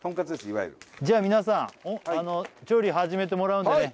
いわゆるじゃあ皆さん調理始めてもらうんでね